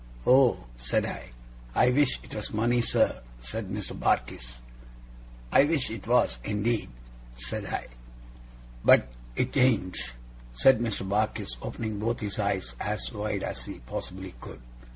'Oh!' said I. 'I wish it was Money, sir,' said Mr. Barkis. 'I wish it was, indeed,' said I. 'But it AIN'T,' said Mr. Barkis, opening both his eyes as wide as he possibly could.